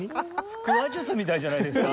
腹話術みたいじゃないですか。